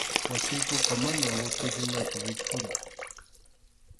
Wasiykuqa manam luti hinachu rikhurin.